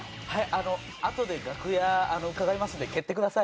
あのあとで楽屋伺いますんで蹴ってください。